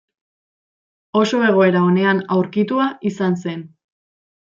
Oso egoera onean aurkitua izan zen.